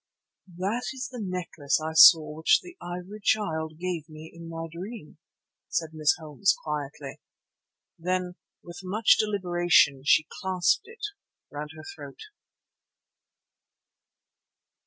"That is the necklace I saw which the Ivory Child gave me in my dream," said Miss Holmes quietly. Then with much deliberation she clasped it round her throat.